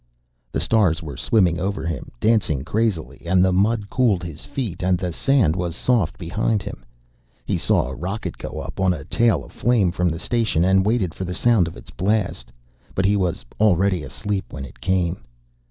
The stars were swimming over him, dancing crazily, and the mud cooled his feet, and the sand was soft behind him. He saw a rocket go up on a tail of flame from the station, and waited for the sound of its blast, but he was already asleep when it came.